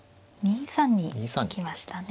２三に行きましたね。